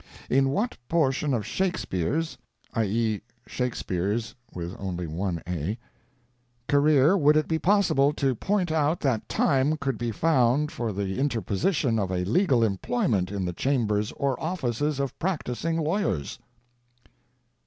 In what portion of Shakespeare's (i.e., Shakspere's) career would it be possible to point out that time could be found for the interposition of a legal employment in the chambers or offices of practicing lawyers?"